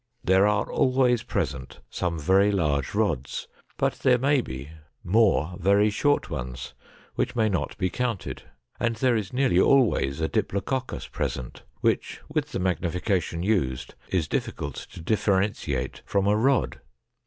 There are always present some very large rods, but there may be more very short ones which may not be counted, and there is nearly always a diplococcus present, which, with the magnification used, is difficult to differentiate from a rod.